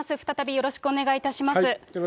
よろしくお願いします。